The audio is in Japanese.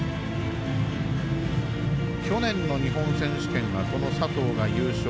去年の日本選手権はこの佐藤が優勝。